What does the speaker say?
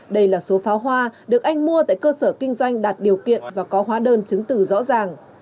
đây là số pháo hoa được anh mua tại cơ sở kinh doanh đạt điều kiện và có hóa đơn chứng từ rõ ràng